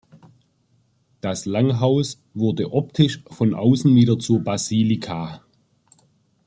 Das Langhaus wurde optisch von außen wieder zur Basilika.